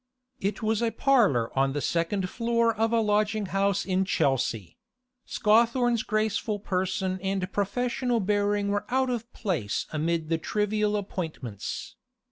It was a parlour on the second floor of a lodging house in Chelsea; Scawthorne's graceful person and professional bearing were out of place amid the trivial appointments.